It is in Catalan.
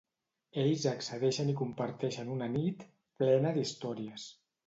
Ells accedeixen i comparteixen una nit plena d'històries.